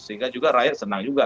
sehingga juga rakyat senang juga